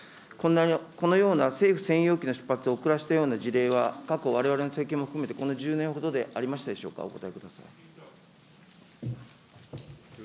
このような政府専用機の出発を遅らせたような事例は、過去われわれ最近も含めて、この１０年ほどでありましたでしょうか、お答え